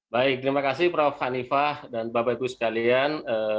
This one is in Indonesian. baik terima kasih prof hanifah dan bapak ibu sekalian